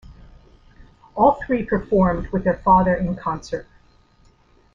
All three performed with their father in concert.